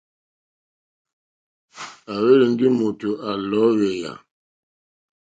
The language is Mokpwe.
À hwélì ndí mòtò à lɔ̀ɔ́hwèyà.